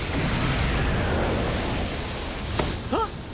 あっ！？